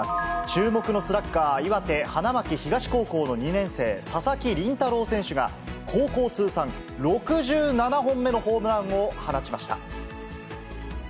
注目のスラッガー、岩手・花巻東高校の２年生、佐々木麟太郎選手が高校通算６７本目のホームランを放ちました。